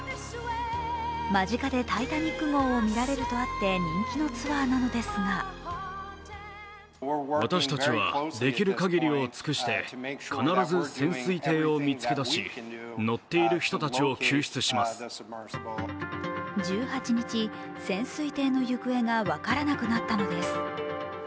間近で「タイタニック」号を見られるとあって人気のツアーなのですが１８日、潜水艇の行方が分からなくなったのです。